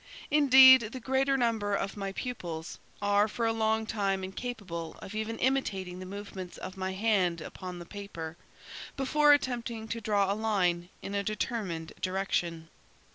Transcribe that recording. Indeed the greater number of my pupils, are for a long time incapable of even imitating the movements of my hand upon the paper, before attempting to draw a line in a determined direction.